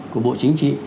của bộ chính trị